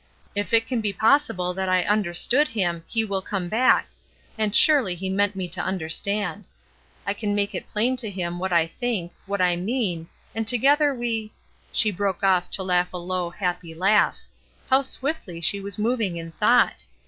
If it can be possible that I understood him, he will come back — and surely he meant me to understand. I can make it plain to him what I think, what I mean, and together we —" She broke off to laugh a low, happy laugh. How swiftly she was moving in thought